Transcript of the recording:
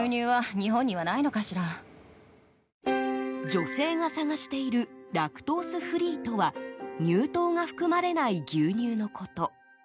女性が探しているラクトースフリーとは乳糖が含まれない牛乳のこと。